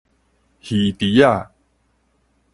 魚池仔